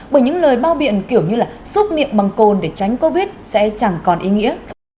bởi những lời bao biện kiểu như là xúc miệng bằng cồn để tránh covid sẽ chẳng còn ý nghĩa